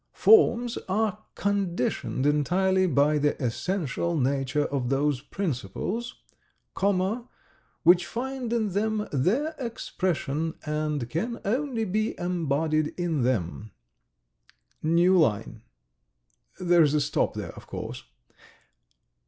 ... forms are conditioned entirely by the essential nature of those principles ... comma ... which find in them their expression and can only be embodied in them .... New line, ... There's a stop there, of course.